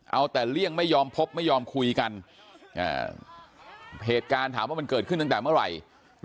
เอาแต่เลี่ยงไม่ยอมพบไม่ยอมคุยกันเหตุการณ์ถามว่ามันเกิดขึ้นตั้งแต่เมื่อไหร่